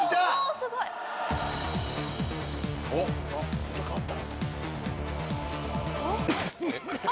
すごい。変わった。